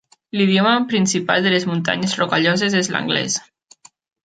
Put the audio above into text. L'idioma principal de les Muntanyes Rocalloses és l'anglès.